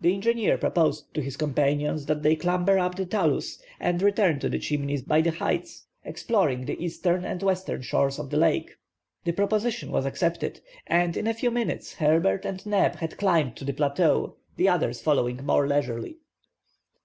The engineer proposed to his companions that they clamber up the talus and return to the Chimneys by the heights, exploring the eastern and western shores of the lake. The proposition was accepted, and, in a few minutes, Herbert and Neb had climbed to the plateau, the others following more leisurely.